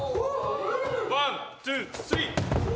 ワンツースリー！